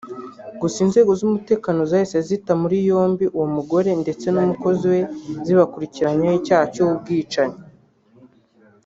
Gusa inzego z’umutekano zahise zita muri yombi uwo mugore ndetse n’umukozi we zibakurikiranyeho icyaha cy’ubwicanyi